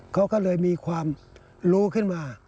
เขาก็เลยมีความรู้ขึ้นมา